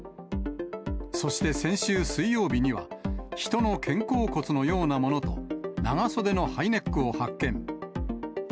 そして先週水曜日には、人の肩甲骨のようなものと長袖のハイネックを発見。